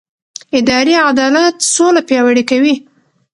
اداري عدالت سوله پیاوړې کوي